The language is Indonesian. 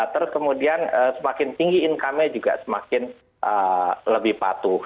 terus kemudian semakin tinggi income nya juga semakin lebih patuh